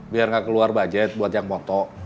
biar nggak keluar budget buat yang foto